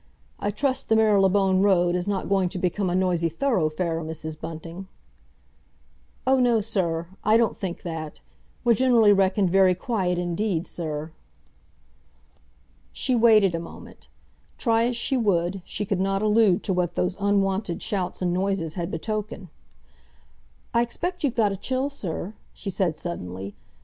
I trust the Marylebone Road is not going to become a noisy thoroughfare, Mrs. Bunting?" "Oh, no, sir, I don't think that. We're generally reckoned very quiet indeed, sir." She waited a moment—try as she would, she could not allude to what those unwonted shouts and noises had betokened. "I expect you've got a chill, sir," she said suddenly.